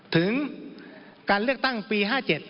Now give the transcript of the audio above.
ถึงการเลือกตั้งปี๕๗